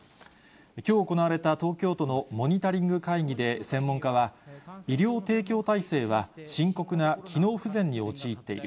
きょう行われた東京都のモニタリング会議で専門家は、医療提供体制は深刻な機能不全に陥っている。